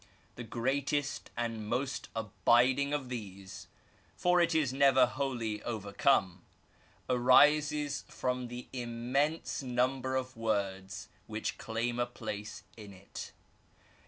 The greatest and most abiding of ) these, for it is never wholly overcome, arises from the immense \ number of words which claim a place in it.